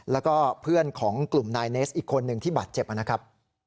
แล้วก็เพื่อนของกลุ่มนายเนสอีกคนหนึ่งที่บาดเจ็บนะครับ